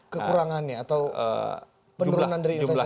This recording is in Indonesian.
kekurangannya atau penurunan dari investor